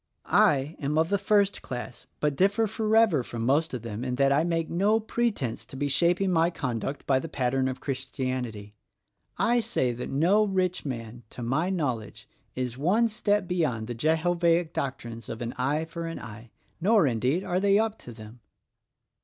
I am of the first class, but differ THE RECORDING ANGEL 29 forever from most of them in that I make no pretense to be shaping my conduct by the pattern of Christianity. I say that no rich man, to my knowledge, is one step beyond the Jehovaic doctrines of an eye for an eye — nor, indeed, are they up to them."